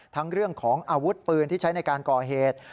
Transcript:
เรื่องของอาวุธปืนที่ใช้ในการก่อเหตุ